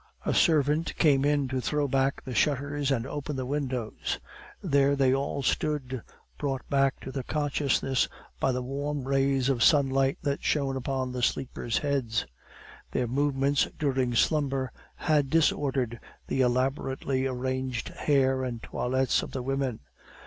A servant came in to throw back the shutters and open the windows. There they all stood, brought back to consciousness by the warm rays of sunlight that shone upon the sleepers' heads. Their movements during slumber had disordered the elaborately arranged hair and toilettes of the women.